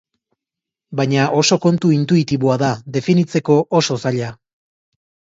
Baina oso kontu intuitiboa da, definitzeko oso zaila.